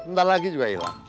ntar lagi juga hilang